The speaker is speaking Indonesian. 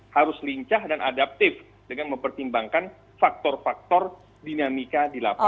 harus lincah dan adaptif dengan mempertimbangkan faktor faktor dinamika di lapangan